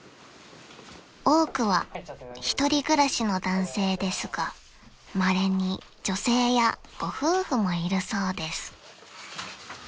［多くは１人暮らしの男性ですがまれに女性やご夫婦もいるそうです］